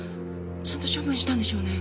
ちゃんと処分したんでしょうね？